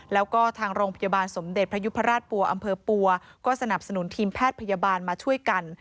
แล้วก็ทางโรงพยาบาลสมเด็จพระยุพราชปัวอำเภอปัวก็สนับสนุนทีมแพทย์พยาบาลมาช่วยกัน